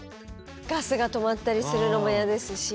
ガスが止まったりするのも嫌ですし。